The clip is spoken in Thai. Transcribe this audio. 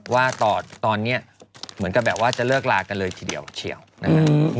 ว่าตอนนี้เหมือนกับแบบว่าจะเลิกลากันเลยทีเดียวเฉียวนะฮะ